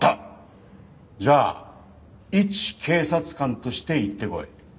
じゃあいち警察官として行ってこい。